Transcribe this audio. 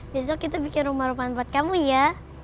besok kita bikin rumah rumah buat kamu ya